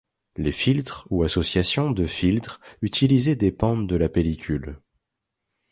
Les filtres ou associations de filtres utilisés dépendent de la pellicule.